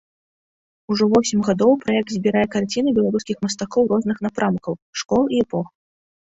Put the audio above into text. Ужо восем гадоў праект збірае карціны беларускіх мастакоў розных напрамкаў, школ і эпох.